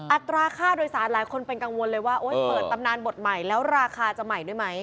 อัตราค่าโดยสารหลายคนเป็นกังวลเลยว่าเปิดตำนานบทใหม่แล้วราคาจะใหม่ด้วยไหม